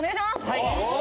はい。